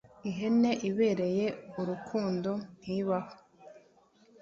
Ihene ibereye urukundo ntibaho